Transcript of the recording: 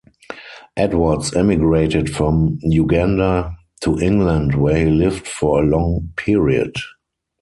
Edwards emigrated from Uganda to England, where he lived for a long period.